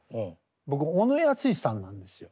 僕小野ヤスシさんなんですよ。